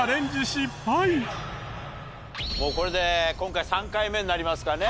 もうこれで今回３回目になりますかね。